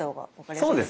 そうですね。